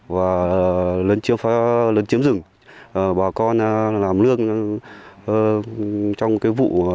và lần trước phải